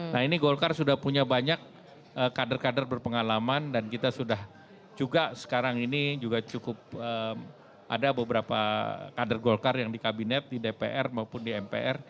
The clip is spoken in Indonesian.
nah ini golkar sudah punya banyak kader kader berpengalaman dan kita sudah juga sekarang ini juga cukup ada beberapa kader golkar yang di kabinet di dpr maupun di mpr